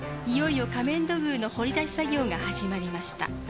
いよいよ仮面土偶の掘り出し作業が始まりました。